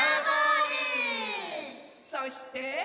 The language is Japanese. そして。